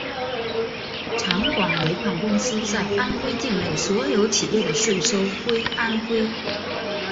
长广煤矿公司在安徽境内所有企业的税收归安徽。